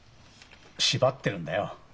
縛ってるんだよ。